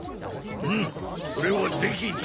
うむそれはぜひに。